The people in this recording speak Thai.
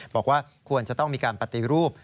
บอกว่าควรจะต้องมีการปฏิรูป